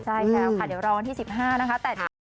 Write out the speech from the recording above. ได้แล้วค่ะเดี๋ยวรอที่๑๕นะครับ